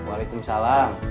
jangan lupa tanya siapa itu